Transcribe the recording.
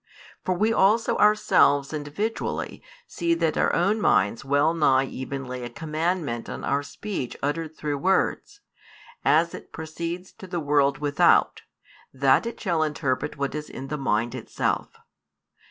For we also ourselves individually see that our own minds well nigh even lay a commandment on our speech uttered through words, as it proceeds to the world without, that it shall interpret what is in the mind itself.